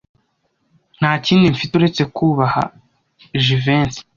Nta kindi mfite uretse kubaha Jivency.